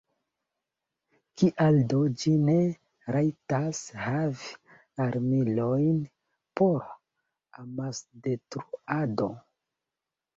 Kial do ĝi ne rajtas havi armilojn por amasdetruado?